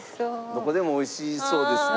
どこでもおいしそうですね。